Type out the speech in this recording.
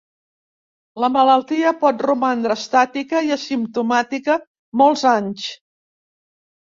La malaltia pot romandre estàtica i asimptomàtica molts anys.